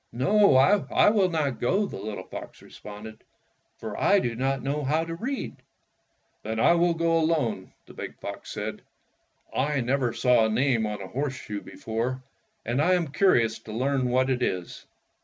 "No, I will not go," the little fox re sponded, "for I do not know how to read." "Then I will go alone," the big fox said. "I never saw a name on a horseshoe before, and I am curious to learn what it is."